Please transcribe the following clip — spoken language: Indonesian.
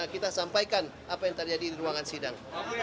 kita sampaikan apa yang terjadi di ruangan sidang